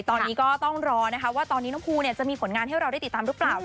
ตอนนี้ก็ต้องรอนะคะว่าตอนนี้น้องภูจะมีผลงานให้เราได้ติดตามหรือเปล่า